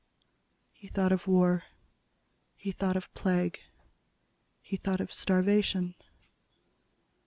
He thought of war. He thought of plague. He thought of starvation.